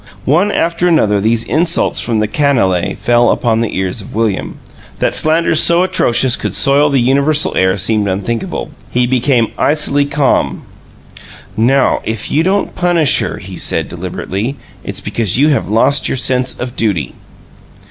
One after another these insults from the canaille fell upon the ears of William. That slanders so atrocious could soil the universal air seemed unthinkable. He became icily calm. "NOW if you don't punish her," he said, deliberately, "it's because you have lost your sense of duty!"